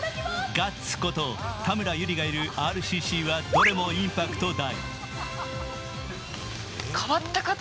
ガッツこと田村友里がいるＲＣＣはどれもインパクト大。